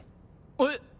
えっ？